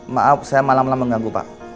maaf saya malam malam mengganggu pak